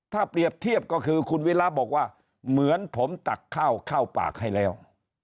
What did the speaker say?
ถ้าเปรียบเทียบก็คือคุณวิระบอกว่าเหมือนผมตักข้าวเข้าปากให้แล้ว